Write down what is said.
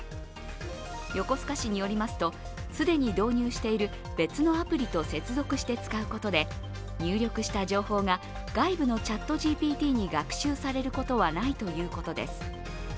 横須賀市によりますと既に導入している別のアプリと接続して使うことで入力した情報が外部のＣｈａｔＧＰＴに学習されることはないということです。